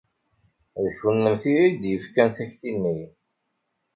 D kennemti ay d-yefkan takti-nni.